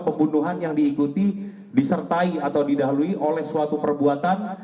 pembunuhan yang diikuti disertai atau didahului oleh suatu perbuatan